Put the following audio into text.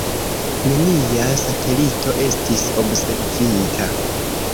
Nenia satelito estis observita.